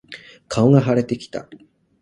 顔が腫れてきた。